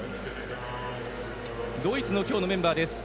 ドイツの今日のメンバーです。